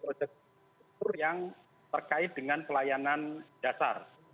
proyek proyek yang terkait dengan pelayanan dasar